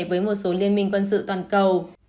với một số liên minh quân sự toàn cầu